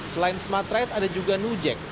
selain smartride ada juga nujek